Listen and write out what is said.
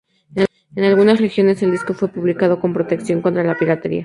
En algunas regiones el disco fue publicado con una protección contra la piratería.